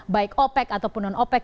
baik opec ataupun non opec